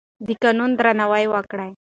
د قانون درناوی وکړئ.